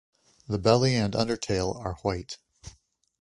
The belly and undertail are white.